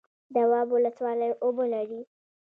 دواب ولسوالۍ اوبه لري؟